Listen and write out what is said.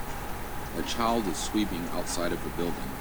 A child is sweeping outside of a building.